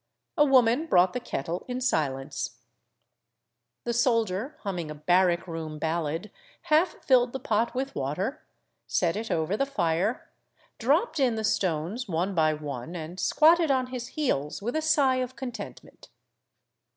A woman brought the kettle in silence. The soldier, humming a barrack room ballad, half filled the pot with water, set it over the fire, dropped in the stones one by one, and squatted on his heels with a sigh of contentment.